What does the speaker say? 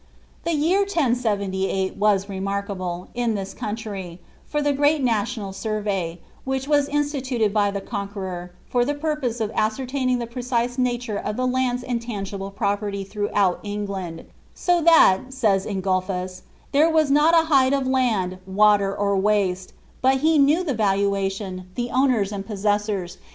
The year 1078* was remarkable, in this country, for the great natiacid fcurvej', which was instituted by the Ck>nqueror, for the purpose of asco taining the precise nature of the lands and tangible properly throughust England ; so that, says Ingulphus, " there was not a hide of land, wmUt, or waste, but he knew the valuation, the owners and possessors, togaba >Ot<lerioii> Vin ' Heniy Konlini^on.